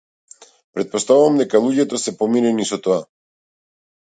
Претпоставувам дека луѓето се помирени со тоа.